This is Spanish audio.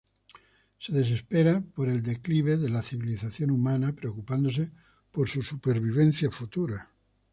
Se desespera por el declive de la civilización humana, preocupándose por su supervivencia futura.